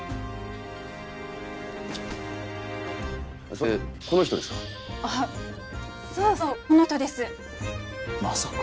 それってこの人ですか？